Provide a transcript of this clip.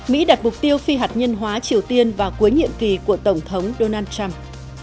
mỹ đặt mục tiêu phi hạt nhân hóa triều tiên vào cuối nhiệm kỳ của tổng thống donald trump